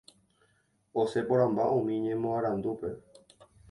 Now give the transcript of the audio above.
Osẽ porãmba umi ñemoarandúpe.